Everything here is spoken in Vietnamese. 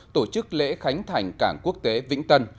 tổ chức lễ khánh thành cảng quốc tế vĩnh tân